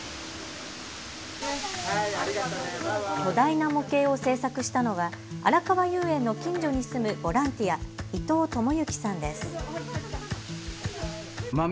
巨大な模型を製作したのはあらかわ遊園の近所に住むボランティア、伊藤朋行さんです。